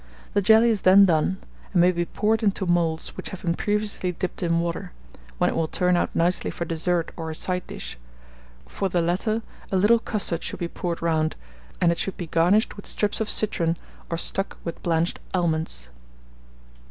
The jelly is then done, and may be poured into moulds which have been previously dipped in water, when it will turn out nicely for dessert or a side dish; for the latter a little custard should be poured round, and it should be garnished with strips of citron or stuck with blanched almonds.